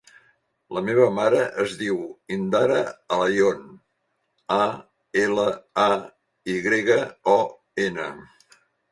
La meva mare es diu Indara Alayon: a, ela, a, i grega, o, ena.